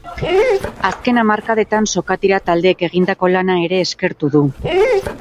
Azken hamarkadetan sokatira taldeek egindako lana ere eskertu du.